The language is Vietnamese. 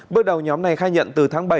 bước đầu nhóm này khai nhận từ tháng bảy